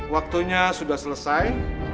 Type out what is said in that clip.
waktunya sudah selesai